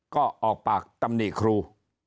ก็ออกปากตำหนิครู